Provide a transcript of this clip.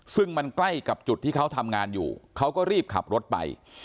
ซึ่งมันใกล้กับจุดที่เขาทำงานอยู่เขาก็รีบขับรถไป